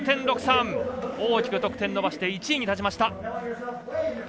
大きく得点伸ばして１位に立ちました。